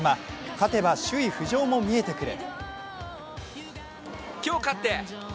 勝てば首位浮上も見えてくる。